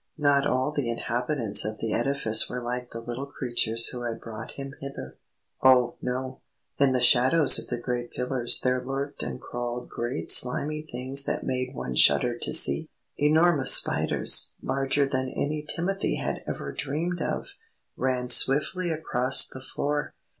Not all the inhabitants of the edifice were like the little creatures who had brought him hither. Oh, no! In the shadows of the great pillars there lurked and crawled great slimy things that made one shudder to see. Enormous spiders, larger than any Timothy had ever dreamed of, ran swiftly across the floor.